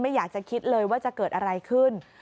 อยากจะคิดเลยว่าจะเกิดอะไรขึ้น